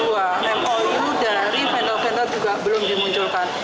yang kedua mou dari vendor vendor juga belum dimunculkan